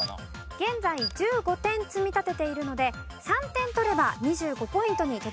現在１５点積み立てているので３点取れば２５ポイントに届きます。